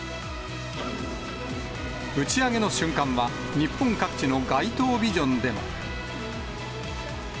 打ち上げの瞬間は、日本各地の街頭ビジョンでも。